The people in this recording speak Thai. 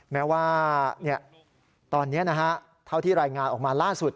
แม้ว่าตอนนี้เท่าที่รายงานออกมาล่าสุด